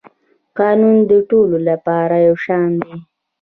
قانون د ټولو لپاره یو شان دی